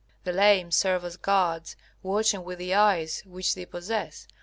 The lame serve as guards, watching with the eyes which they possess.